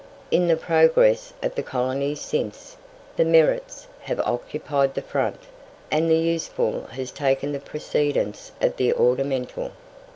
In the progress of the colonies since, "the merits" have occupied the front, and the useful has taken the precedence of the ornamental.